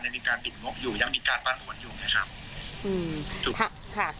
ยังมีการปิดงบอยู่ยังมีการปั้นผลอยู่ไหมครับ